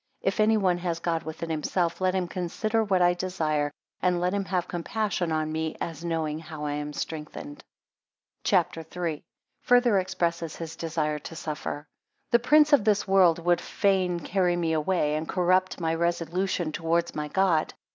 If any one has God within himself, let him consider what I desire; and let him have compassion on me, as knowing how I am straightened. CHAPTER III. Further expresses his desire to suffer. THE prince of this world would fain carry me away, and corrupt my resolution towards my God.